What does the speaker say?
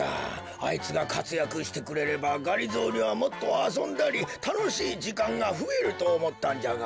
あいつがかつやくしてくれればがりぞーにはもっとあそんだりたのしいじかんがふえるとおもったんじゃが。